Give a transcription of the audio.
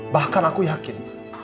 bahkan aku yakin